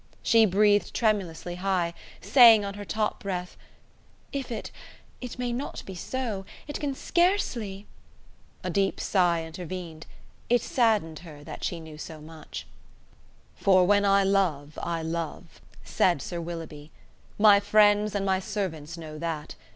She breathed tremulously high, saying on her top breath: "If it it may not be so; it can scarcely. .." A deep sigh intervened. It saddened her that she knew so much. "For when I love I love," said Sir Willoughby; "my friends and my servants know that.